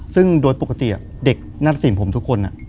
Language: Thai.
ซึ่งโดยปกติเด็กนัดสินผมทุกคน